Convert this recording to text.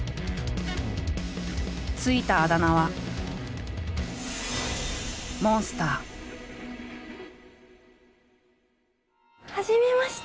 付いたあだ名ははじめまして。